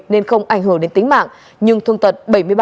nên không ảnh hưởng đến tính mạng nhưng thương tật bảy mươi ba